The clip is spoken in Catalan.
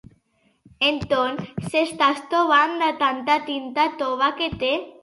En Ton s'està estovant de tanta tinta tova que té.